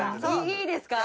いいですか？